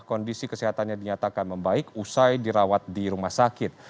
kondisi kesehatannya dinyatakan membaik usai dirawat di rumah sakit